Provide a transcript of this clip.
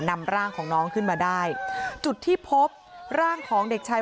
นำร่างของน้องขึ้นมาได้จุดที่พบร่างของเด็กชาย